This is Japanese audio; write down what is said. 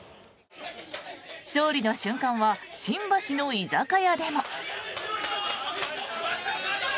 勝利の瞬間は新橋の居酒屋でも。